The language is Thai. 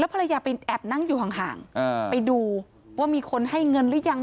ภรรยาไปแอบนั่งอยู่ห่างไปดูว่ามีคนให้เงินหรือยัง